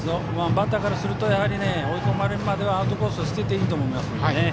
バッターからすると追い込まれるまではアウトコースを捨てていいと思います。